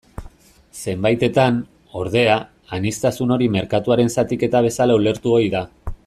Zenbaitetan, ordea, aniztasun hori merkatuaren zatiketa bezala ulertu ohi da.